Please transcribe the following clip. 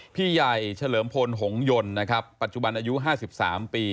พี่ใหญ่เฉลิมพลหงศษฐปัจจุบันอายุ๕๓ปี